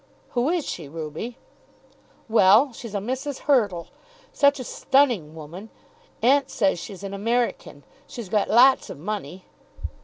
"Who is she, Ruby?" "Well; she's a Mrs. Hurtle. Such a stunning woman! Aunt says she's an American. She's got lots of money."